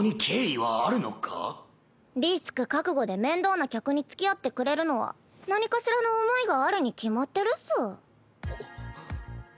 リスク覚悟で面倒な客につきあってくれるのは何かしらの思いがあるに決まってるっス。